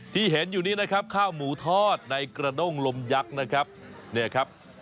ที่เห็นอยู่นี้นะครับข้าวหมูทอดในกระด้งลมยักษ์นะครับเนี่ยครับ